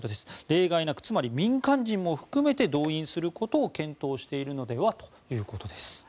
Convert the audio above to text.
例外なくつまり民間人も含めて動員することを検討しているのではということです。